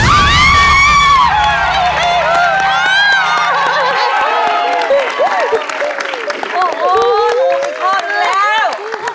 โอ้โหดูอีกข้อดูแล้ว